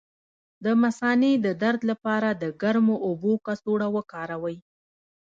د مثانې د درد لپاره د ګرمو اوبو کڅوړه وکاروئ